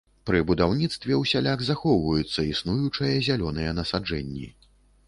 Пры будаўніцтве ўсяляк захоўваюцца існуючыя зялёныя насаджэнні.